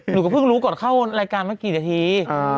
หนูก็เพิ่งรู้ก่อนเข้ารายการมากี่นาที